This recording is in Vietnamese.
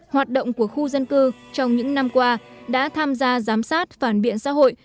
hoạt động của khu dân cư trong những năm qua đã tham gia giám sát phản biện xã hội